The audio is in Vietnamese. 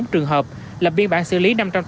một một trăm một mươi bốn trường hợp lập biên bản xử lý